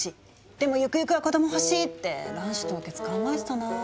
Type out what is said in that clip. でもゆくゆくは子ども欲しい」って卵子凍結考えてたな。